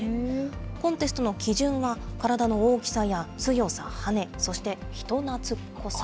コンテストの基準は、体の大きさや強さ、羽、そして人なつっこさ。